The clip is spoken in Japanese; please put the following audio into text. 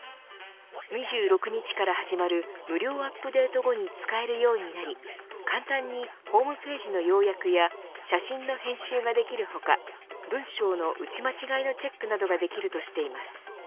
２６日から始まる無料アップデート後に使えるようになり簡単にホームページの要約や写真の編集ができる他文章の打ち間違いのチェックなどができるとしています。